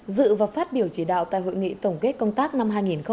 dự và phát biểu chỉ đạo tại hội nghị tổng kết công tác năm hai nghìn hai mươi ba